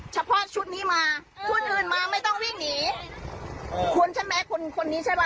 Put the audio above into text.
เฉพาะชุดนี้มาชุดอื่นมาไม่ต้องวิ่งหนีคุณใช่ไหมคุณคนนี้ใช่ป่